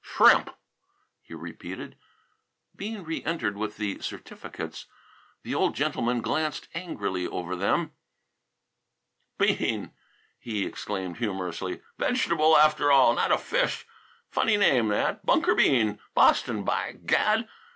"Shrimp!" he repeated. Bean reëntered with the certificates. The old gentleman glanced angrily over them. "Bean!" he exclaimed humorously. "Vegetable after all; not a fish! Funny name that! Bunker Bean! Boston, by gad!